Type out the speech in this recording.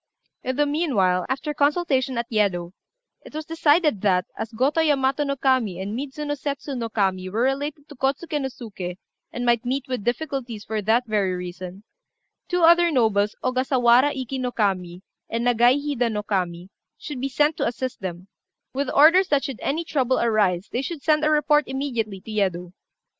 In the meanwhile, after consultation at Yedo, it was decided that, as Gotô Yamato no Kami and Midzuno Setsu no Kami were related to Kôtsuké no Suké, and might meet with difficulties for that very reason, two other nobles, Ogasawara Iki no Kami and Nagai Hida no Kami, should be sent to assist them, with orders that should any trouble arise they should send a report immediately to Yedo.